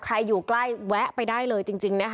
ใครอยู่ใกล้แวะไปได้เลยจริง